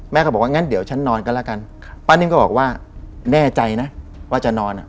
ก็บอกว่างั้นเดี๋ยวฉันนอนก็แล้วกันป้านิ่มก็บอกว่าแน่ใจนะว่าจะนอนอ่ะ